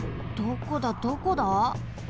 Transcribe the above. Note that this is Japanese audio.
どこだどこだ？